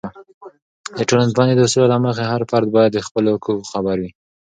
د ټولنپوهنې د اصولو له مخې، هر فرد باید د خپلو حقونو خبر وي.